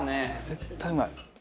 絶対うまい。